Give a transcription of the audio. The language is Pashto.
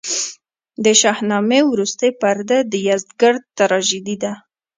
د شاهنامې وروستۍ پرده د یزدګُرد تراژیدي ده.